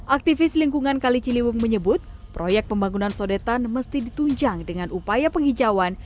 aktivis lingkungan kali ciliwung menyebut proyek pembangunan sodetan mesti ditunjang dengan upaya penghijauan